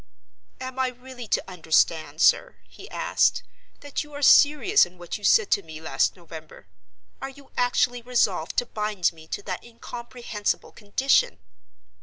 "Am I really to understand, sir," he asked, "that you are serious in what you said to me last November? Are you actually resolved to bind me to that incomprehensible condition?"